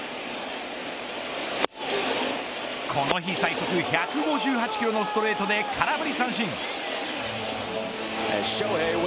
この日最速１５８キロのストレートで空振り三振。